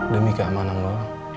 demi keamanan lo